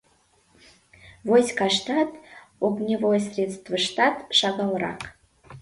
Войскаштат, огневой средствыштат шагалрак.